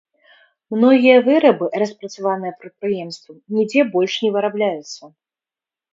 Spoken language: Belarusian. Многія вырабы, распрацаваныя прадпрыемствам, нідзе больш не вырабляюцца.